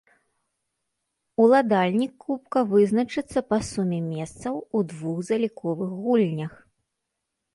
Уладальнік кубка вызначыцца па суме месцаў у двух заліковых гульнях.